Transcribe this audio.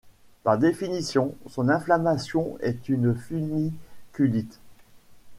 Par définition, son inflammation est une funiculite.